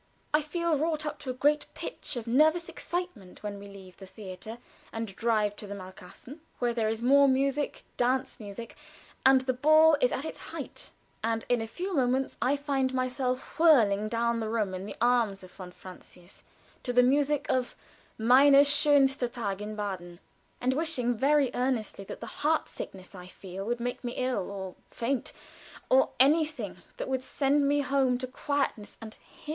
I feel wrought up to a great pitch of nervous excitement when we leave the theater and drive to the Malkasten, where there is more music dance music, and where the ball is at its height. And in a few moments I find myself whirling down the room in the arms of von Francius, to the music of "Mein schönster Tag in Baden," and wishing very earnestly that the heart sickness I feel would make me ill or faint, or anything that would send me home to quietness and him.